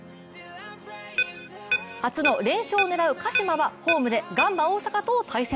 初の連勝を狙う鹿島はホームでガンバ大阪と対戦。